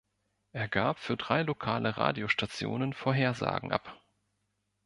Er gab für drei lokale Radiostationen Vorhersagen ab.